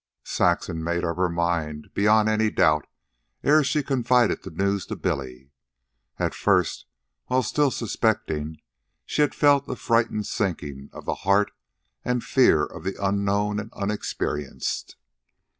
Saxon made up her mind, beyond any doubt, ere she confided the news to Billy. At first, while still suspecting, she had felt a frightened sinking of the heart and fear of the unknown and unexperienced.